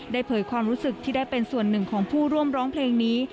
เผยความรู้สึกที่ได้เป็นส่วนหนึ่งของผู้ร่วมร้องเพลงนี้